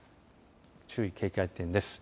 注意、警戒点です。